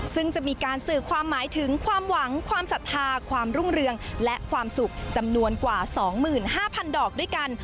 ซึ่งจะมีการสื่อความหมายถึงความหวังความศรัทธาความรุ่งเรืองและความสุขจำนวนกว่า๒๕๐๐๐ดอกด้วยกัน